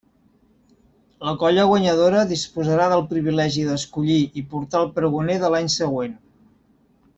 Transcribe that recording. La colla guanyadora disposarà del privilegi d'escollir i portar el pregoner de l'any següent.